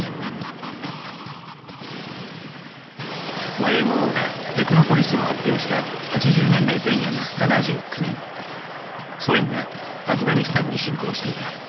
ＹＭＯが「テクノポリス」を発表した８０年代前夜の７９年ソ連がアフガニスタンに侵攻していた。